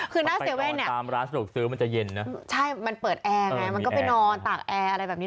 คือน่าเสียแว่นเนี่ยใช่มันเปิดแอร์ไงมันก็ไปนอนตากแอร์อะไรแบบนี้